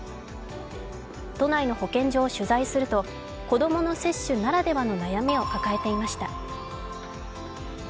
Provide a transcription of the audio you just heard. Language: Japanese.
都内の保健所を取材すると、子供の接種ならではの悩みを抱えていました。